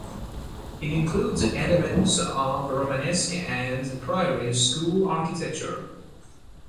It includes elements of Romanesque and Prairie School architecture.